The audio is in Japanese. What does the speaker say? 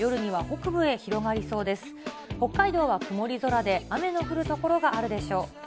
北海道は曇り空で、雨の降る所があるでしょう。